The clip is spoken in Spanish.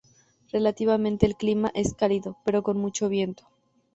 Relativamente el clima es cálido, pero con mucho viento.